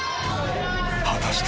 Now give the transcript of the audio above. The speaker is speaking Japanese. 果たして。